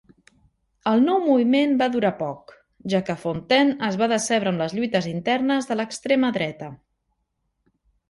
El nou moviment va durar poc, ja que Fountaine es va decebre amb les lluites internes de l'extrema dreta.